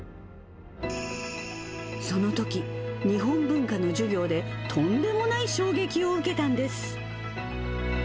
そのとき、日本文化の授業でとんでもない衝撃を受けたんです。